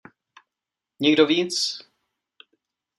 Nikdo víc?